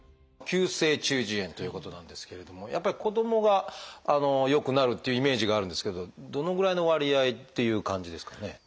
急性中耳炎ということなんですけれどもやっぱり子どもがよくなるっていうイメージがあるんですけどどのぐらいの割合っていう感じですかね？